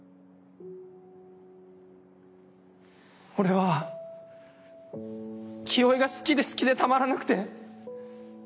俺は清居が好きで好きでたまらなくて。